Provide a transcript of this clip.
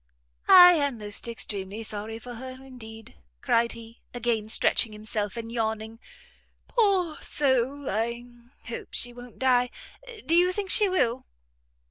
"I am most extremely sorry for her indeed," cried he, again stretching himself and yawning; "poor soul! I hope she won't die. Do you think she will!"